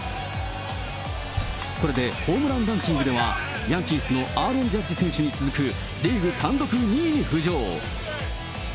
これでホームランランキングでは、ヤンキースのアーロン・ジャッジ選手に続く、リーグ単独２位に浮上。